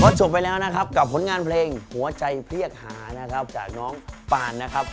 จบไปแล้วนะครับกับผลงานเพลงหัวใจเพียกหานะครับจากน้องปานนะครับ